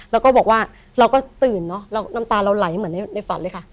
แล้วก็บอกว่าเราก็ตื่นเนอะแล้วน้ำตาเราไหลเหมือนในฝันเลยค่ะ